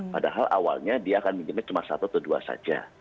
padahal awalnya dia akan minimnya cuma satu atau dua saja